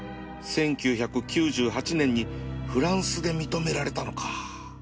１９９８年にフランスで認められたのか